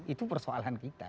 itu persoalan kita